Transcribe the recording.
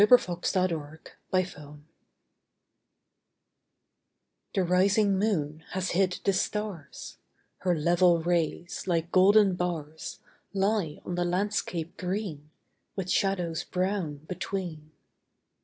20 48 ENDMYION ENDYMION The rising moon has hid the stars ; Her level rays, like golden bars, Lie on the landscape green, With shadows brown between.